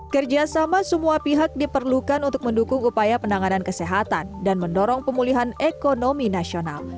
kerjasama semua pihak diperlukan untuk mendukung upaya penanganan kesehatan dan mendorong pemulihan ekonomi nasional